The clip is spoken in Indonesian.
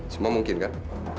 semua mungkin kan